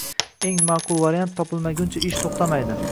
Eng maqbul variant topilmaguncha ish toʻxtamaydi.